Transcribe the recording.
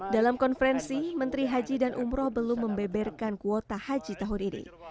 dalam konferensi menteri haji dan umroh belum membeberkan kuota haji tahun ini